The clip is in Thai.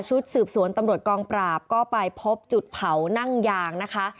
ชุดสืบสวนตำรวจกองปราบก็ไปพบจุดเผานั่งยางนะคะ